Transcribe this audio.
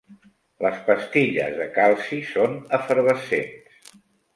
Les pastilles de calci són efervescents.